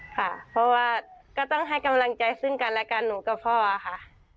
ค่ะเพราะว่าก็ต้องให้กำลังใจซึ่งกันและกันหนูกับพ่อค่ะ